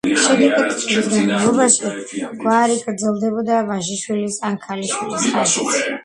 შედეგად, წლების განმავლობაში გვარი გრძელდებოდა ვაჟიშვილის ან ქალიშვილის ხაზით.